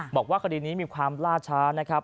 บอกว่าคดีนี้มีความล่าช้านะครับ